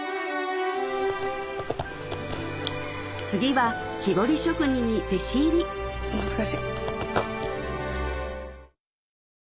次は木彫り職人に弟子入り難しい。